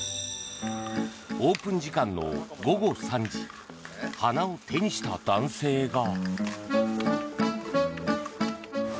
オープン時間の午後３時花を手にした男性が。